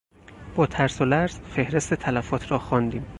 با ترس و لرز فهرست تلفات را خواندیم.